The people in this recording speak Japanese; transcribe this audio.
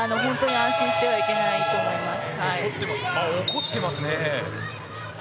怒ってますね。